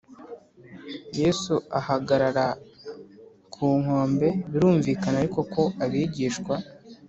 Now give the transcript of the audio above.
Yesu ahagarara ku nkombe birumvikana ariko ko abigishwa